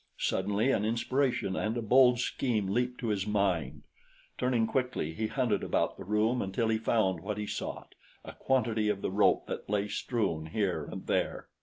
Suddenly an inspiration and a bold scheme leaped to his mind. Turning quickly he hunted about the room until he found what he sought a quantity of the rope that lay strewn here and there.